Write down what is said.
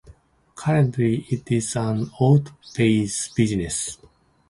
Currently it is an auto parts business.